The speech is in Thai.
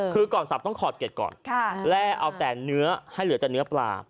คือก่อนสับต้องขอดเด็ดก่อนแร่เอาแต่เนื้อให้เหลือแต่เนื้อปลา